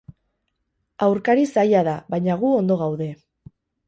Aurkari zaila da, baina gu ondo gaude.